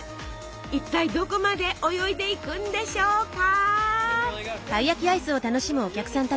一体どこまで泳いでいくんでしょうか？